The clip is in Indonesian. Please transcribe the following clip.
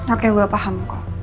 oke gue paham